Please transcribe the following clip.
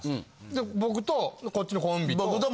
で僕とこっちのコンビと。